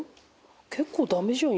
結構ダメじゃん